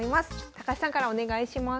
高橋さんからお願いします。